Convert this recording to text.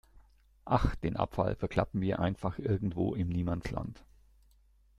Ach, den Abfall verklappen wir einfach irgendwo im Niemandsland.